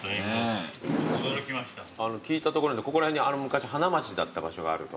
聞いたところここら辺に昔花街だった場所があると。